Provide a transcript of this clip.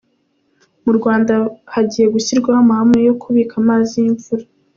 Mu Rwanda hagiye gushyirwaho amahame yo kubika amazi y’imvura